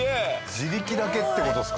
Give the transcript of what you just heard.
自力だけって事ですか？